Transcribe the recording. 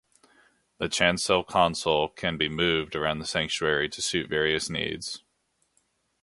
The chancel console can be moved around the sanctuary to suit various needs.